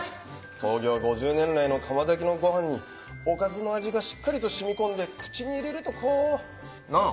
創業５０年来の釜炊きのご飯におかずの味がしっかりと染み込んで口に入れるとこうなぁ！